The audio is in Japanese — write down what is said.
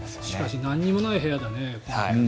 しかし何もない部屋だね。